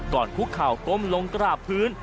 คุกเข่าก้มลงกราบพื้น